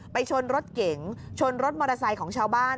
ชนรถเก๋งชนรถมอเตอร์ไซค์ของชาวบ้าน